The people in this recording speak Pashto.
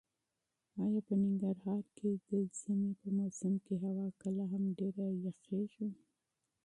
ایا په ننګرهار کې د ژمي په موسم کې هوا کله هم ډېره یخیږي؟